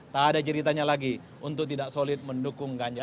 tak ada ceritanya lagi untuk tidak solid mendukung ganjar